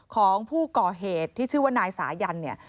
ของผู้ก่อเหตุที่ชื่อว่านายสายันเนี่ย